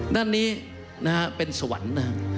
ด้านนี้นะฮะเป็นสวรรค์นะครับ